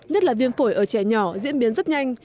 nhất là viêm phổi ở trẻ nhỏ diễn biến rất nhanh